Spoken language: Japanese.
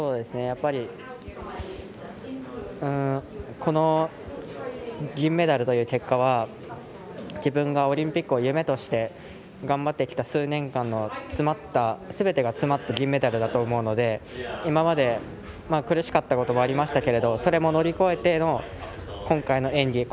やっぱりこの銀メダルという結果は自分がオリンピックを夢として頑張ってきた数年間のすべてが詰まった銀メダルだと思うので今まで苦しかったこともありましたけれどそれも乗り越えての今回の演技